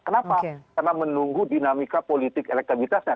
kenapa karena menunggu dinamika politik elektabilitasnya